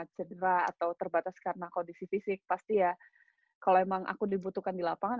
cedera atau terbatas karena kondisi fisik pasti ya kalau emang aku dibutuhkan di lapangan